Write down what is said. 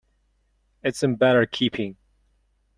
It's in better keeping.